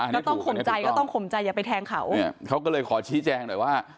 ข่มใจก็ต้องข่มใจอย่าไปแทงเขาเนี่ยเขาก็เลยขอชี้แจงหน่อยว่า